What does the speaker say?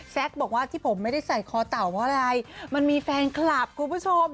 บอกว่าที่ผมไม่ได้ใส่คอเต่าเพราะอะไรมันมีแฟนคลับคุณผู้ชม